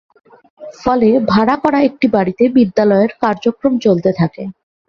ফলে ভাড়া করা একটি বাড়িতে বিদ্যালয়ের কার্যক্রম চলতে থাকে।